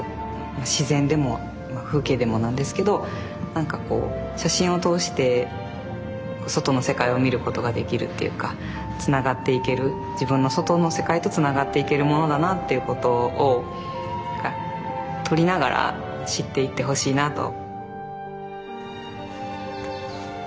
何かこう写真を通して外の世界を見ることができるっていうかつながっていける自分の外の世界とつながっていけるものだなっていうことを撮りながら知っていってほしいなと。